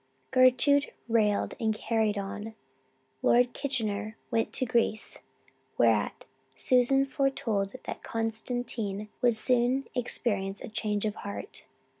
Gertrude rallied and carried on. Lord Kitchener went to Greece, whereat Susan foretold that Constantine would soon experience a change of heart.